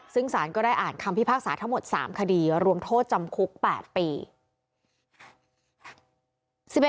ซึ่งสารก็ได้อ่านคำพิพากษาทั้งหมด๓คดีรวมโทษจำคุก๘ปี